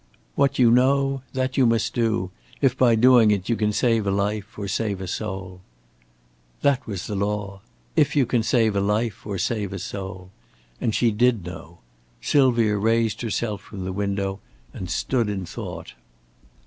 "What you know, that you must do, if by doing it you can save a life or save a soul." That was the law. "If you can save a life or save a soul." And she did know. Sylvia raised herself from the window and stood in thought.